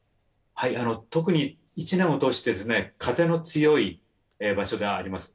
特に１年を通して風の強い場所であります。